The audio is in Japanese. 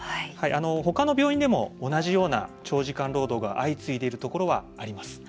他の病院でも同じような長時間労働が相次いでいるところはあります。